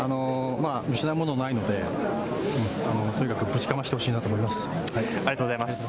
失うものはないので、とにかく、ぶちかましてほしいなと思います。